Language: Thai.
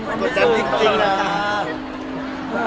กฎดันจริงนะ